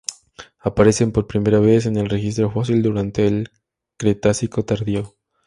Aparecen por primera vez en el registro fósil durante el cretácico tardío.